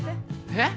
えっ？